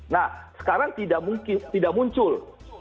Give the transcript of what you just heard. nah sekarang tidak muncul